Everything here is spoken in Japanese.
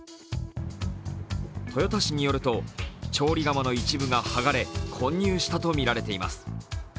豊田市によると、調理釜の一部が剥がれ、混入したとみられています。